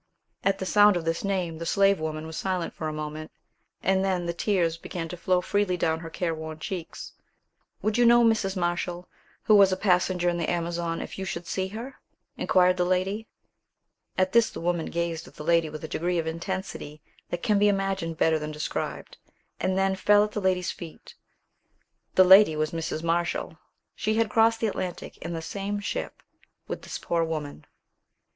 At the sound of this name, the slave woman was silent for a moment, and then the tears began to flow freely down her careworn cheeks. "Would you know Mrs. Marshall, who was a passenger in the Amazon, if you should see her?" inquired the lady. At this the woman gazed at the lady with a degree of intensity that can be imagined better than described, and then fell at the lady's feet. The lady was Mrs. Marshall. She had crossed the Atlantic in the same ship with this poor woman.